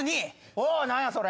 おう何やそれ。